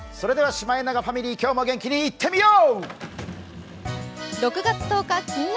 それではシマエナガファミリー、今日も元気にいってみよう！